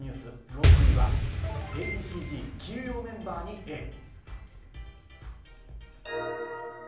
６位はＡ．Ｂ．Ｃ−Ｚ、休養メンバーにエール。